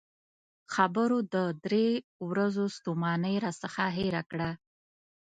خبرو د درې ورځو ستومانۍ راڅخه هېره کړه.